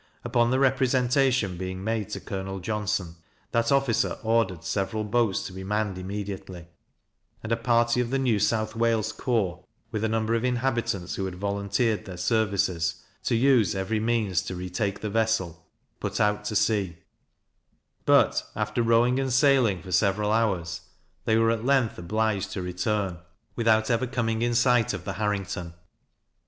Upon the representation being made to Colonel Johnston, that officer ordered several boats to be manned immediately, and a party of the New South Wales corps, with a number of inhabitants who had volunteered their services, to use every means to re take the vessel, put out to sea; but, after rowing and sailing for several hours, they were at length obliged to return, without ever coming in sight of the Harrington.